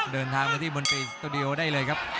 เดินทางมาที่มนตรีสตูดิโอได้เลยครับ